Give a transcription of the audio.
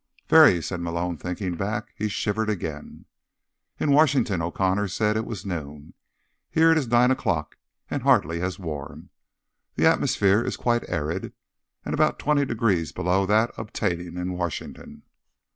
"Very," Malone said, thinking back. He shivered again. "In Washington," O'Connor said, "it was noon. Here it is nine o'clock, and hardly as warm. The atmosphere is quite arid, and about twenty degrees below that obtaining in Washington."